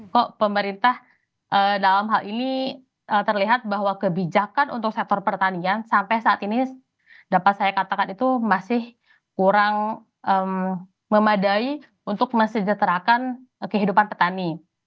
kok pemerintah dalam hal ini terlihat bahwa kebijakan untuk sektor pertanian sampai saat ini dapat saya katakan itu masih kurang memadai untuk mesejahterakan kehidupan petani